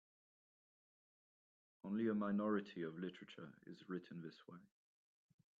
Only a minority of literature is written this way.